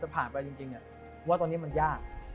ผ่านไปจริงว่าตอนนี้มันยาก